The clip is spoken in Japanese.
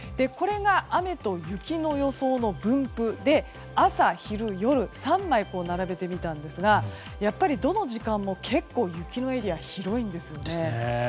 これが雨と雪の予想の分布で朝、昼、夜３枚並べてみたんですがやっぱりどの時間も結構雪のエリアが広いんです。